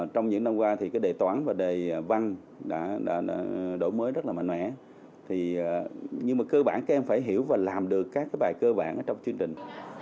trong những năm qua thì cái đề toán và đề văn đã đổi mới rất là mạnh mẽ nhưng mà cơ bản các em phải hiểu và làm được các bài cơ bản trong chương trình